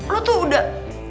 lo tuh udah